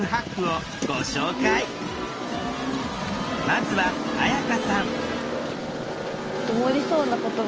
まずは彩夏さん。